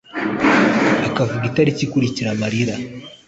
akavuga itariki ikurikira amarira